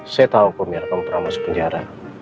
saya tahu pak mir kamu pernah masuk penjara